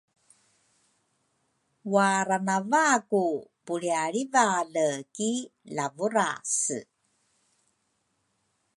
waranavaku pulrialrivale ki Lavurase.